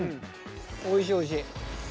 おいしいおいしい。